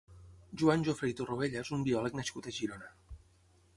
Joan Jofre i Torroella és un biòleg nascut a Girona.